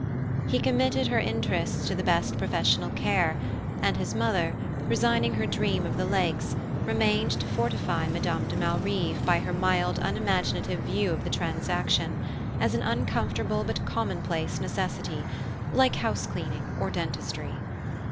He committed her interests to the best professional care, and his mother, resigning her dream of the lakes, remained to fortify Madame de Malrive by her mild unimaginative view of the transaction, as an uncomfortable but commonplace necessity, like house cleaning or dentistry.